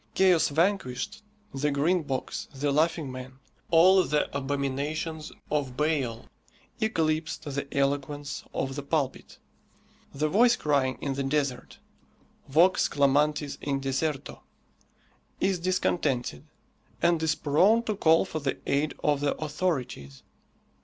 "Chaos Vanquished," the Green Box, the Laughing Man, all the abominations of Baal, eclipsed the eloquence of the pulpit. The voice crying in the desert, vox clamantis in deserto, is discontented, and is prone to call for the aid of the authorities.